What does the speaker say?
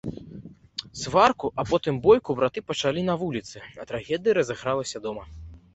Сварку, а потым бойку браты пачалі на вуліцы, трагедыя разыгралася дома.